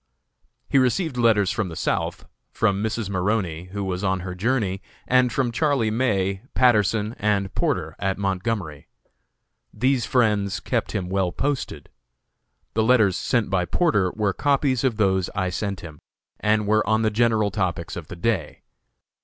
He received letters from the South, from Mrs. Maroney, who was on her journey, and from Charlie May, Patterson, and Porter, at Montgomery. These friends kept him well posted. The letters sent by Porter were copies of those I sent him, and were on the general topics of the day.